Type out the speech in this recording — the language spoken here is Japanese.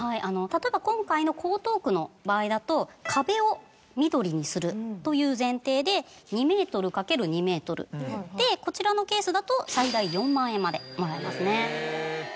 例えば今回の江東区の場合だと壁を緑にするという前提で２ｍ掛ける２ｍでこちらのケースだと。までもらえますね。